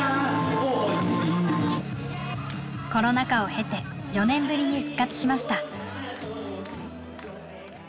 コロナ禍を経て４年ぶりに復活しました。